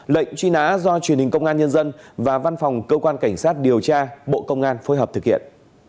lệnh truy nã do truyền hình công an nhân dân và văn phòng cơ quan cảnh sát điều tra bộ công an phối hợp thực hiện